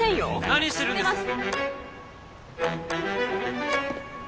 何してるんです？